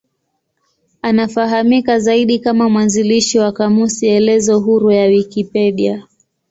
Anafahamika zaidi kama mwanzilishi wa kamusi elezo huru ya Wikipedia.